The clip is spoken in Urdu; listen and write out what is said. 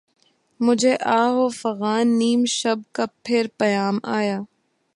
مجھے آہ و فغان نیم شب کا پھر پیام آیا